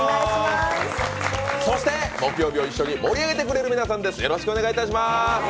そして、木曜日を一緒に盛り上げてくれる皆さんです。